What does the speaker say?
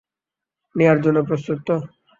নেয়ার জন্য প্রস্তুত তো?